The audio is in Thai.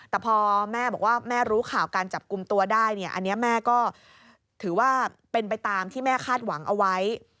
แต่พอแม่บอกว่าแม่รู้ข่าวการจับกลุ่มตัวได้เนี่ยอันนี้แม่ก็ถือว่าเป็นไปตามที่แม่คาดหวังเอาไว้